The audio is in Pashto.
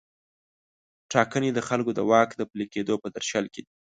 ټاکنې د خلکو د واک د پلي کیدو په درشل کې دي.